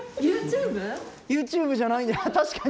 ＹｏｕＴｕｂｅじゃない確かに。